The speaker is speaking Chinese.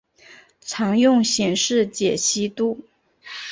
常用显示解析度